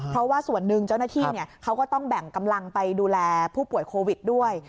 เพราะว่าส่วนหนึ่งเจ้าหน้าที่เขาก็ต้องแบ่งกำลังไปดูแลผู้ป่วยโควิดด้วย